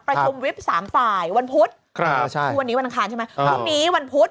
ประชุมวิบสามฝ่ายวันพุธคือวันนี้วันอังคารใช่ไหมพรุ่งนี้วันพุธ